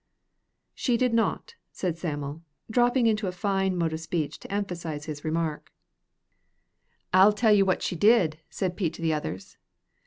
"She did not," said Sam'l, dropping into a fine mode of speech to add emphasis to his remark. "I'll tell ye what she did," said Pete to the others.